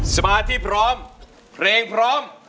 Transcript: สมาธิพร้อมเพลงพร้อม